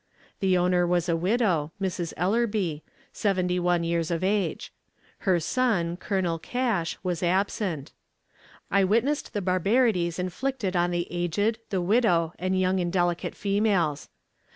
The owner was a widow, Mrs. Ellerbe, seventy one years of age. Her son, Colonel Cash, was absent. I witnessed the barbarities inflicted on the aged, the widow, and young and delicate females.